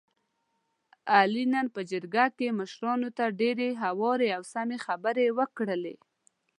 علي نن په جرګه کې مشرانو ته ډېرې هوارې او سمې خبرې وکړلې.